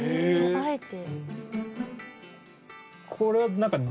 あえて。